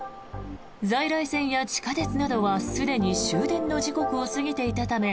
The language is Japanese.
在来線や地下鉄などはすでに終電の時刻を過ぎていたため